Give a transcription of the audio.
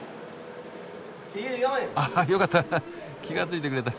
ああよかった気が付いてくれた。